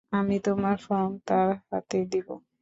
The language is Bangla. আমি তোমার ফর্ম তার হাতে দিবো।